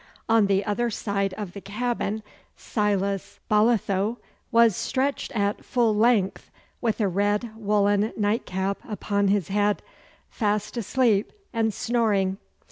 On the other side of the cabin Silas Bolitho was stretched at full length with a red woollen nightcap upon his head, fast asleep and snoring.